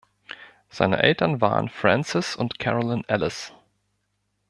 Seine Eltern waren Francis und Caroline Ellis.